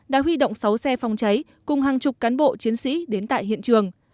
đã huy động sáu xe phòng cháy cùng hàng chục cán bộ chiến sĩ đến tại hiện trường